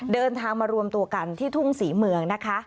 เดินทางมารวมตัวกันที่ทุ่งศรีเมืองนะคะ